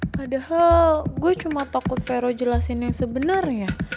padahal gue cuma takut vero jelasin yang sebenarnya